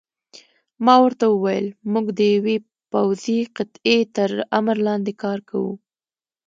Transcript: ما ورته وویل: موږ د یوې پوځي قطعې تر امر لاندې کار کوو.